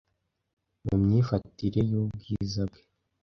mu myifatire yubwiza bwe